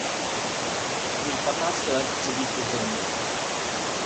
Od mých patnácti let chci být kouzelníkem.